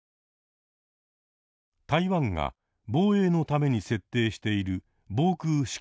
台湾が防衛のために設定している防空識別圏。